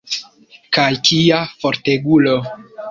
Kaj kia fortegulo!